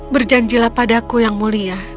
berjanjilah padaku yang mulia